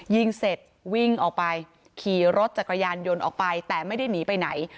ยิงเสร็จวิ่งออกไปขี่รถจักรยานยนต์ออกไปแต่ไม่ได้หนีไปไหน